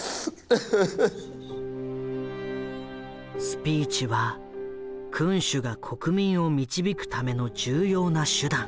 スピーチは君主が国民を導くための重要な手段。